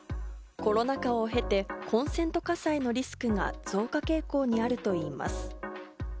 コロナ禍を経てコンセント火災のリスクが増加傾向にあるといいます。